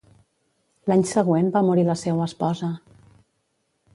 L'any següent, va morir la seua esposa.